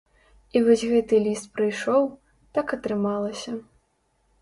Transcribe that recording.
І вось гэты ліст прыйшоў, так атрымалася.